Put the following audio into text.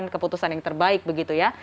keputusan yang terbaik begitu ya